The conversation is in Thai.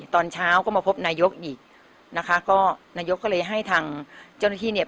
ตอนเช้าก็มาพบนายกอีกนะคะก็นายกก็เลยให้ทางเจ้าหน้าที่เนี่ย